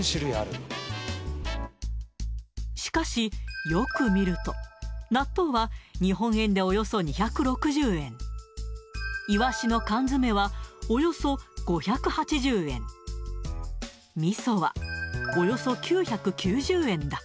しかし、よく見ると、納豆は日本円でおよそ２６０円、イワシの缶詰はおよそ５８０円、みそはおよそ９９０円だ。